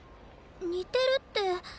似てるって。